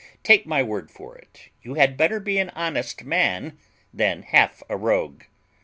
Take my word for it, you had better be an honest man than half a rogue.